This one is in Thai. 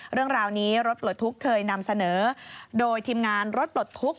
เรื่องราวนี้รถปลดทุกข์เคยนำเสนอโดยทีมงานรถปลดทุกข